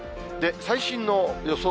最新の予想